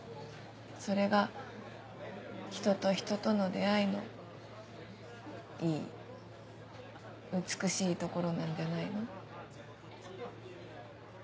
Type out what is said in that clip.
それが人と人との出会いのいい美しいところなんじゃないの？